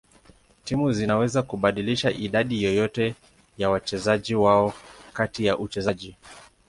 Timu zinaweza kubadilisha idadi yoyote ya wachezaji wao kati ya uchezaji.